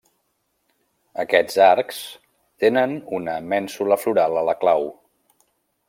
Aquests arcs tenen una mènsula floral a la clau.